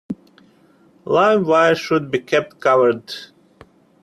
Live wires should be kept covered.